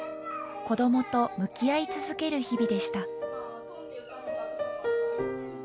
こどもと向き合い続ける日々でした。